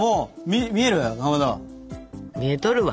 見えとるわ。